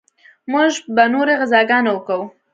موږ به نورې غزاګانې وکو.